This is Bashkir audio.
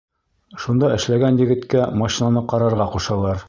Шунда эшләгән егеткә машинаны ҡарарға ҡушалар.